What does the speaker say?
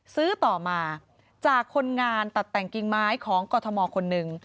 ซื้อต่อมาจากคนงานตัดแต่งกิ่งไม้ของกรทมคนหนึ่ง